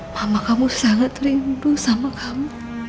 mama kamu sangat rindu sama kamu